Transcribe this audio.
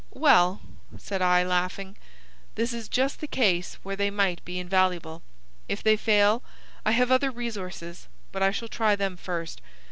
"Well," said I, laughing. "This is just the case where they might be invaluable. If they fail, I have other resources; but I shall try them first.